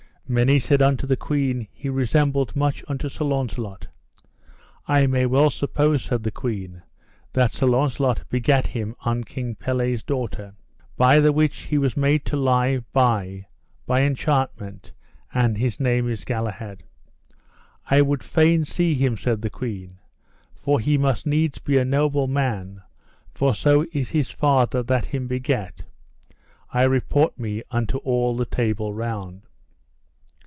Many said unto the queen he resembled much unto Sir Launcelot. I may well suppose, said the queen, that Sir Launcelot begat him on King Pelles' daughter, by the which he was made to lie by, by enchantment, and his name is Galahad. I would fain see him, said the queen, for he must needs be a noble man, for so is his father that him begat, I report me unto all the Table Round.